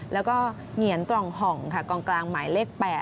แล้วก็เหงียนตร่องห่องกลางหมายเล็ก๘